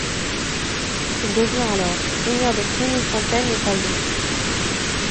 Il devient alors Seigneur de Frémifontaine et Failloux.